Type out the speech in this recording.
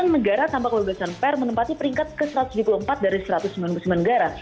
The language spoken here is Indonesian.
negara tanpa kebebasan per menempati peringkat ke satu ratus tujuh puluh empat dari satu ratus sembilan puluh sembilan negara